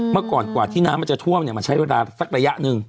เมื่อก่อนกว่าที่น้ำมันจะท่วมเนี่ยมันใช้เวลาสักระยะหนึ่ง